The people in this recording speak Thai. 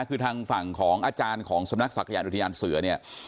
คือทางฝั่งของอาจารย์ของสำนักศักดิ์อุทยานเสือเนี่ย